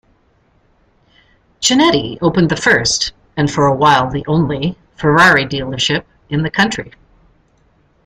Chinetti opened the first-and for a while the only-Ferrari dealership in the country.